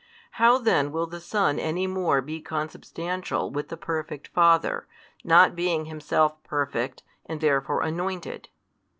How then will the Son any more be Consubstantial with the Perfect Father, not being Himself Perfect, and therefore anointed?